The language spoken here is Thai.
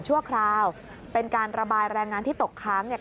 ชั่วคราวเป็นการระบายแรงงานที่ตกค้างเนี่ย